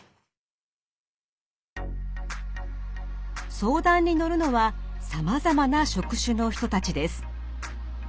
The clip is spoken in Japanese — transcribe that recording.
相談に乗るのはさまざまな職種の人たちです。